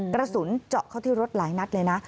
กระสุนเจาะเข้าที่รถหลายนัดเลยนะ